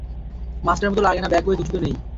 মাস্টারের মতো লাগে না ব্যগ বই কিছুই তো নেই।